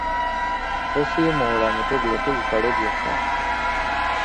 Tosiimuula mutwe guleke gukale gwokka